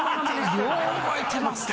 よう覚えてますね。